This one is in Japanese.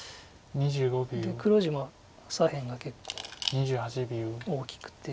で黒地は左辺が結構大きくて。